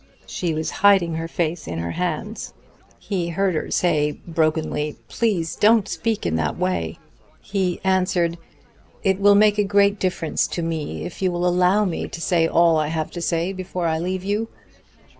She was hiding her face in her hands. He heard her say brokenly: "Please ... don't speak in that way." He answered: "It will make a great difference to me if you will allow me to say all I have to say before I leave you.